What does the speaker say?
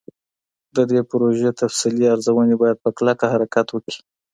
د دې پروژې تفصیلي ارزوني باید په کلکه حرکت وکړي.